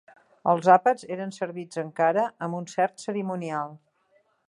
Els àpats eren servits encara amb un cert cerimonial